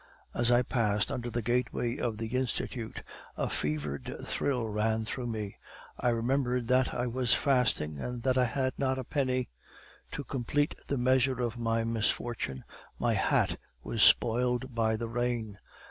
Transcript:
"As I passed under the gateway of the Institute, a fevered thrill ran through me. I remembered that I was fasting, and that I had not a penny. To complete the measure of my misfortune, my hat was spoiled by the rain.